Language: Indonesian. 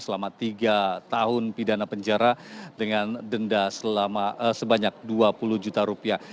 selama tiga tahun pidana penjara dengan denda sebanyak dua puluh juta rupiah